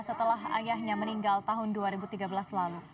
setelah ayahnya meninggal tahun dua ribu tiga belas lalu